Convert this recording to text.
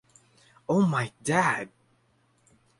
Oh My Dad!